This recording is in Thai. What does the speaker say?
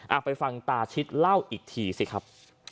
ไปฟังตาชิดเล่าอีกทีสิครับ